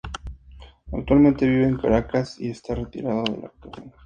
Actualmente vive en Caracas y esta retirado de la actuación.